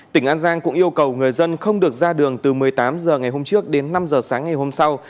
tỉnh an giang cũng yêu cầu người dân không được ra đường từ một mươi tám h ngày hôm trước đến năm h sáng ngày hôm sau